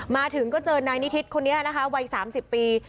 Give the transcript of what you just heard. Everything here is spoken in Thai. มาถึงก็เจอนายนิทิศคนนี้นะคะวัย๓๐ปี